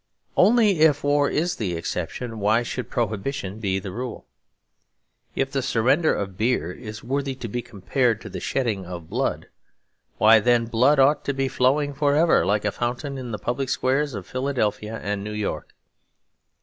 Only, if war is the exception, why should Prohibition be the rule? If the surrender of beer is worthy to be compared to the shedding of blood, why then blood ought to be flowing for ever like a fountain in the public squares of Philadelphia and New York.